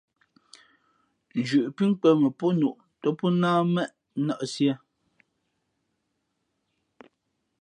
Nzhuʼ pí nkwēn mα pó nuʼ tά pó náh nnéʼ nᾱʼsīē.